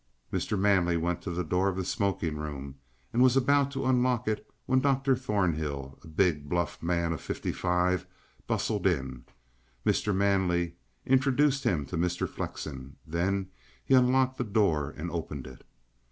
Mr. Manley went to the door of the smoking room and was about to unlock it, when Dr. Thornhill, a big, bluff man of fifty five, bustled in. Mr. Manley introduced him to Mr. Flexen; then he unlocked the door and opened it.